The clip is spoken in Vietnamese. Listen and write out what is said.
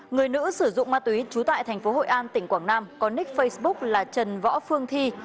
người nữ sử dụng ma túy trú tại thành phố hội an tỉnh quảng nam có nick facebook là trần võ phương thi